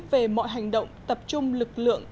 về mọi hành động tập trung lực lượng